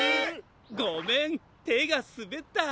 ごめんてがすべった！